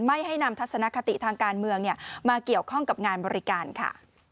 ไม่ให้นำทัศนคติทางการเมืองมาเกี่ยวข้องกับงานบริการค่ะ